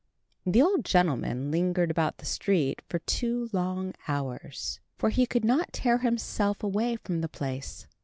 * The Old Gentleman lingered about the street for two long hours; for he could not tear himself away from the place.